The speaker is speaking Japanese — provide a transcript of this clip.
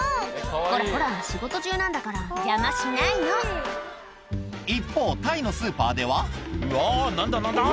こらこら仕事中なんだから邪魔しないの一方タイのスーパーではうわ何だ何だ？